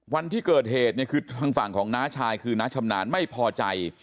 วันที่เกิดเหตุเนี่ยคือทางฝั่งของน้าชายคือน้าชำนาญไม่พอใจ